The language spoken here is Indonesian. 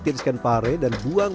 tiriskan pare dan buang